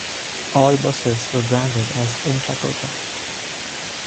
All buses were branded as Intrakota.